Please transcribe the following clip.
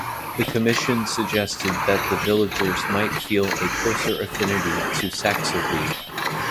The commission suggested that the villagers might feel a closer affinity to Saxilby.